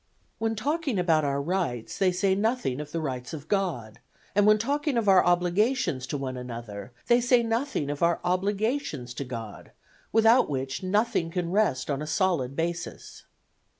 When talking about our rights they say nothing of the rights of God, and when talking of our obligations to one another they say nothing of our obligations to God, without which nothing can rest on a solid basis.